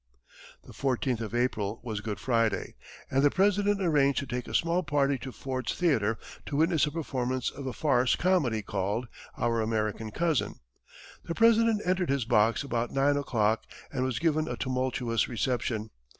The fourteenth of April was Good Friday, and the President arranged to take a small party to Ford's theatre to witness a performance of a farce comedy called "Our American Cousin." The President entered his box about nine o'clock and was given a tumultuous reception.